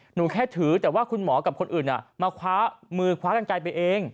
หนูแค่ถือแต่ว่าคุณหมอกับคนอื่นมาคว้ามือคว้ากันไกลไปเอง